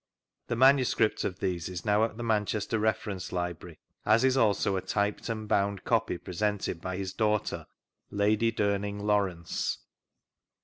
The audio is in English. The manuscript of these is now at the Manchester Refeiience Library, as is also a typed and bound copy presented by his daughter. Lady Darning Lawrence.